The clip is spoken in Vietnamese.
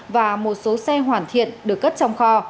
và một số xe hoàn thiện được cất trong kho